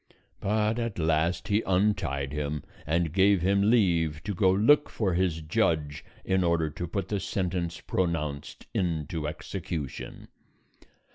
But at last he untied him, and gave him leave to go look for his judge in order to put the sentence pronounced into execution.